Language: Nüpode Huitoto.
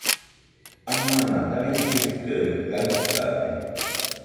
Amana daje llɨkɨaɨ gaɨtade